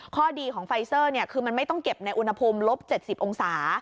ข้อดีของไฟเซอร์คือมันไม่ต้องเก็บในอุณหภูมิลบ๗๐องศา